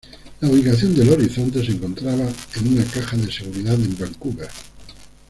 La ubicación del Horizonte se encontraba en una caja de seguridad en Vancouver.